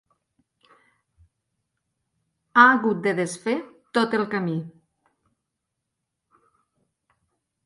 Ha hagut de desfer tot el camí.